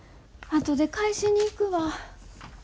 後で返しに行くわ。